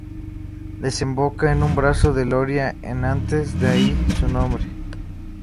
Desemboca en un brazo del Loira en Nantes, de ahí su nombre.